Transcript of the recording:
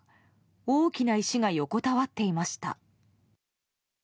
大きな石が横たわっていました。